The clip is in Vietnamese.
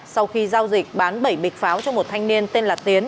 sau khi giao dịch bán bảy bịch pháo cho một thanh niên tên là tiến